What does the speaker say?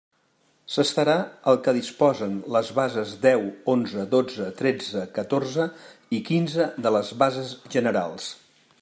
S'estarà al que disposen les bases deu, onze, dotze, tretze, catorze i quinze de les bases generals.